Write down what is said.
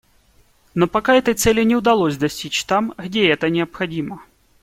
Но пока этой цели не удалось достичь там, где это необходимо.